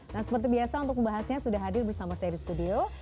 nah seperti biasa untuk membahasnya sudah hadir bersama saya di studio